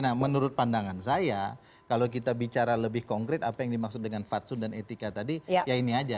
nah menurut pandangan saya kalau kita bicara lebih konkret apa yang dimaksud dengan fatsun dan etika tadi ya ini aja